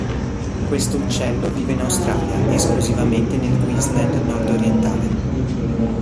Questo uccello vive in Australia, esclusivamente nel Queensland nordorientale.